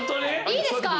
いいですか？